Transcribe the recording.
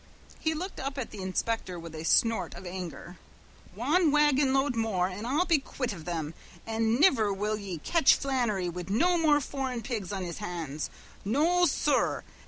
He looked up at the inspector with a snort of anger. "Wan wagonload more an, I'll be quit of thim, an' niver will ye catch Flannery wid no more foreign pigs on his hands. No, sur!